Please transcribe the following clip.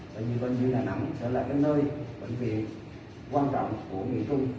bởi vì bệnh viện đà nẵng sẽ là nơi bệnh viện quan trọng của người dung